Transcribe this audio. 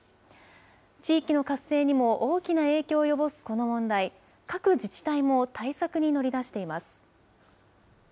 地域の活性にも大きな影響を及ぼすこの問題、各自治体も対策に乗り出しています。